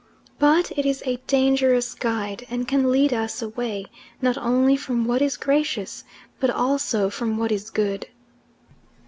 But it is a dangerous guide, and can lead us away not only from what is gracious, but also from what is good.